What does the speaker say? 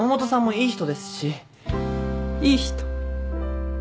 いい人？